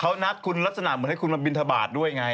เขานัดคุณลักษณะเหมือนให้คุณมาบินทบาทด้วยไง